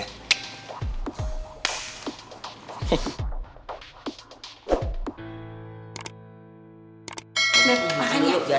terima kasih ya